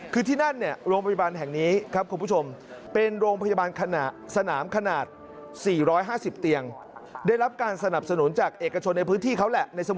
คือที่นั่นโรงพยาบาลแห่งนี้ครับคุณผู้ชม